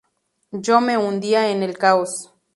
Yo me hundía en el caos.